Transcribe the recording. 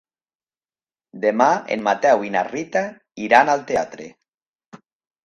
Demà en Mateu i na Rita iran al teatre.